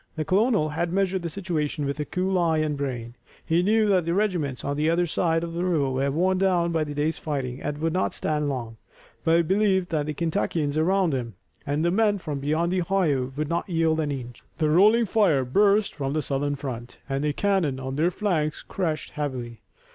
The colonel had measured the situation with a cool eye and brain. He knew that the regiments on the other side of the river were worn down by the day's fighting and would not stand long. But he believed that the Kentuckians around him, and the men from beyond the Ohio would not yield an inch. They were largely Kentuckians also coming against them. The rolling fire burst from the Southern front, and the cannon on their flanks crashed heavily.